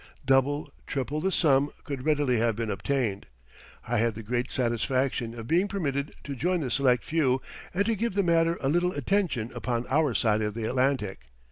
Double, triple the sum could readily have been obtained. I had the great satisfaction of being permitted to join the select few and to give the matter a little attention upon our side of the Atlantic.